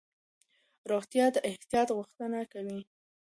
روغتیا د احتیاط غوښتنه کوي.